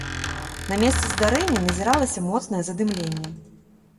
На месцы здарэння назіралася моцнае задымленне.